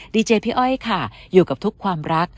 ดีเจพี่อ้อยค่ะอยู่กับทุกความรัก